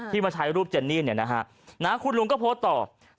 มาใช้รูปเจนนี่นะฮะคุณลุงก็โพสต์ต่อ